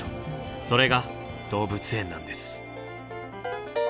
それが動物園なんです。